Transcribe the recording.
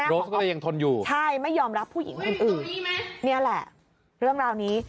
โรสก็ยังทนอยู่ใช่ไม่ยอมรับผู้หญิงคนอื่นนี่แหละเรื่องราวนี้